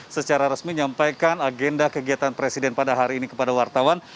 secara resmi menyampaikan agenda kegiatan presiden pada hari ini kepada wartawan